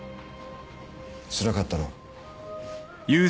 つらかったろ？